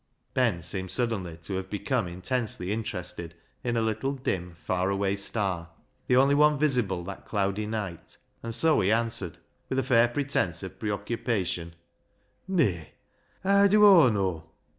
Ben seemed suddenly to have become intensely interested in a little dim far away star, the only one visible that cloudy night, and so he answered, with a fair pretence of preoccupation —■" Nay ! Haa dew Aw know